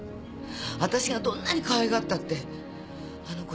私がどんなに可愛がったってあの子